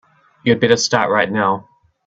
You'd better start right now.